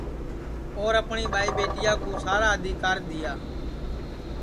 اور اپٹؔی ٻائی ٻیٹیا کُو سارا آدیکرا دؔیا